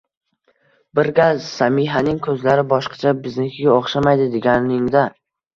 Bir gal: «Samihaning ko'zlari boshqacha, biznikiga o'xshamaydi», — deganingda